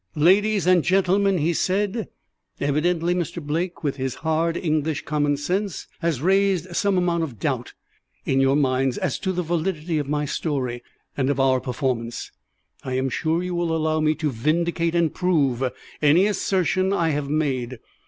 "Ladies and gentlemen," he said, "evidently Mr. Blake, with his hard English common sense, has raised some amount of doubt in your minds as to the validity of my story and of our performance. I am sure you will allow me to vindicate and prove any assertion I have made.